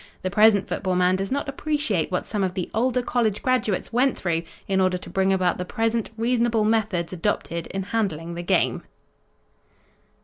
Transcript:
The present football man does not appreciate what some of the older college graduates went through in order to bring about the present reasonable methods adopted in handling the game."